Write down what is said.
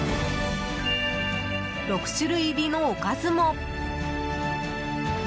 ６種類入りのおかずも。